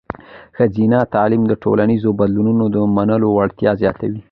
ښځینه تعلیم د ټولنیزو بدلونونو د منلو وړتیا زیاتوي.